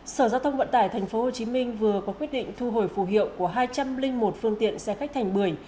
sở giao thông vận tải tp hcm vừa có quyết định thu hồi phù hiệu của hai trăm linh một phương tiện xe khách thành bưởi